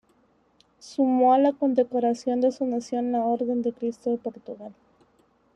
Sumó a la condecoración de su nación la Orden de Cristo de Portugal.